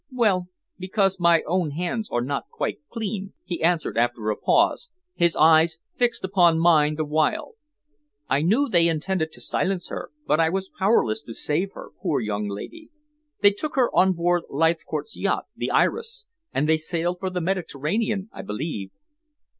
"Well, because my own hands were not quite clean," he answered after a pause, his eyes fixed upon mine the while. "I knew they intended to silence her, but I was powerless to save her, poor young lady. They took her on board Leithcourt's yacht, the Iris, and they sailed for the Mediterranean, I believe."